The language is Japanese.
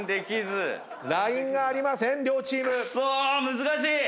難しい！